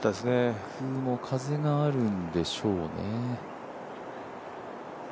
上空も風があるんでしょうね。